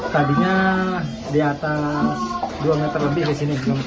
tadinya di atas dua meter lebih disini